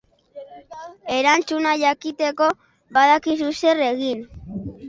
Erantzuna jakiteko, badakizue zer egin!